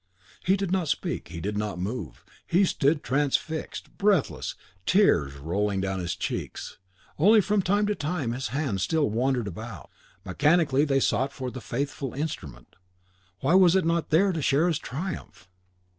He did not speak, he did not move; he stood transfixed, breathless, the tears rolling down his cheeks; only from time to time his hands still wandered about, mechanically they sought for the faithful instrument, why was it not there to share his triumph?